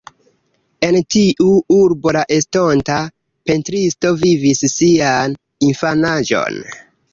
En tiu urbo la estonta pentristo vivis sian infanaĝon.